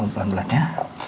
pelan pelan ya